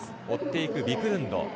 追っていくビクルンド。